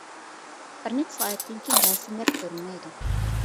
بىر نەچچە سائەتتىن كىيىن رەسىملەر كۆرۈنمەيدۇ.